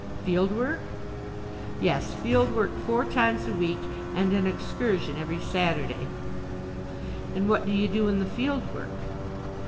"Field Work?" "Yes. Field Work four times a week and an Excursion every Saturday." "And what do you do in the Field Work?"